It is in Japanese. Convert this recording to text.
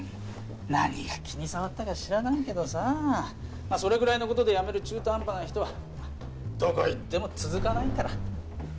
何が気に障ったか知らないけどさぁそれぐらいのことで辞める中途半端な人はどこ行っても続かないから。